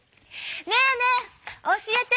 ねえねえ教えて！